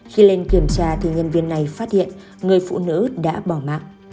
khi lên kiểm tra thì nhân viên này phát hiện người phụ nữ đã bỏ mạng